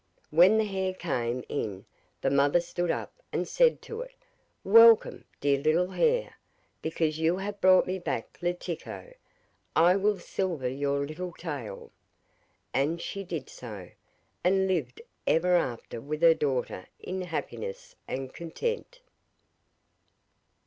When the hare came in the mother stood up and said to it: 'Welcome, dear little hare; because you have brought me back Letiko I will silver your little tail.' And she did so; and lived ever after with her daughter in happiness and content.